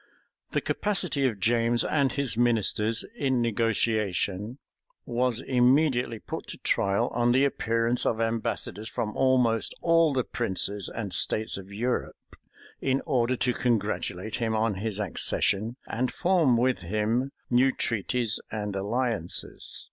The capacity of James and his ministers in negotiation was immediately put to trial on the appearance of ambassadors from almost all the princes and states of Europe, in order to congratulate him on his accession, and form with him new treaties and alliances.